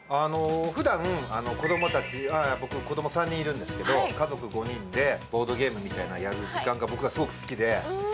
ふだん子供たち、僕子供３人いるんですけど家族５人でボードゲームをやる時間が僕はすごく好きで。